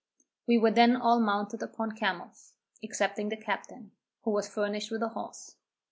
We were then all mounted upon camels, excepting the captain, who was furnished with a horse.